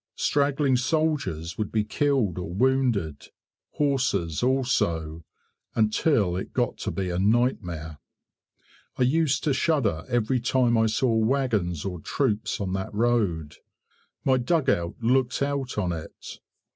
Straggling soldiers would be killed or wounded, horses also, until it got to be a nightmare. I used to shudder every time I saw wagons or troops on that road. My dugout looked out on it.